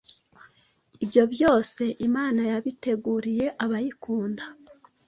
ibyo byose Imana yabyiteguriye abayikunda.’